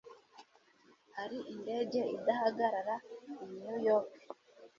Hari indege idahagarara i New York?